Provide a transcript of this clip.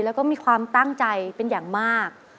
แล้วก็มีความตั้งใจเป็นอย่างมาก